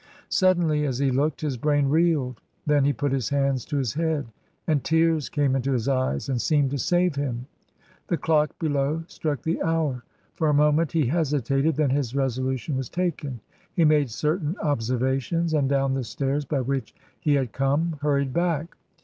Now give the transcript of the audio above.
Suddenly, as he looked, his brain reeled, then he put his hands to his head, and tears came into his eyes and seemed to save him. The clock below struck the hour; for a moment he hesitated, then his resolution was taken. He made certain ob servations, and down the stairs by which he had come hurried back.